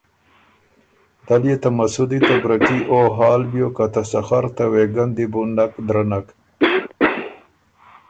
دل يې ته مسُودی ته برکي او حال بیوک که ته سخر ته وېګه ن دی بو نک درَّنک۔